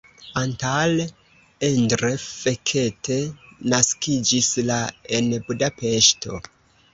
Antal Endre Fekete naskiĝis la en Budapeŝto.